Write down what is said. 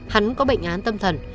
hắn có bệnh án tâm thần